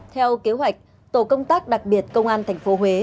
theo kế hoạch tổ công tác đặc biệt công an tp huế